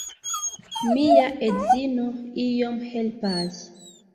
Mia edzino iom helpas.